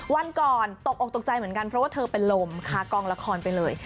วันก่อนตกอกตกใจเหมือนกันเพราะว่าเธอเป็นลมคากองละครไปเลย